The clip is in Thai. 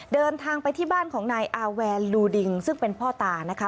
เดินทางไปที่บ้านของนายอาแวนลูดิงซึ่งเป็นพ่อตานะคะ